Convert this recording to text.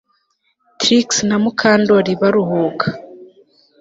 Trix na Mukandoli baruhuka